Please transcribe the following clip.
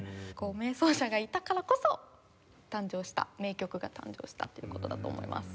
名奏者がいたからこそ誕生した名曲が誕生したっていう事だと思います。